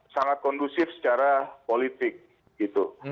sangat kondusif secara politik gitu